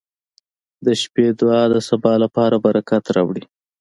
• د شپې دعا د سبا لپاره برکت راوړي.